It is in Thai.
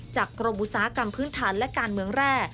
กรมอุตสาหกรรมพื้นฐานและการเมืองแร่